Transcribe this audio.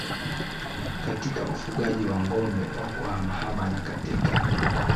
katika ufugaji wa ngombe wa kuhamahama na katika